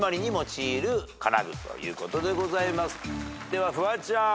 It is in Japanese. ではフワちゃん。